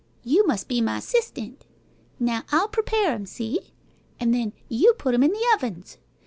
You must be my 'sistant. Now I'll prepare 'em see? An' then you put 'em in the ovens.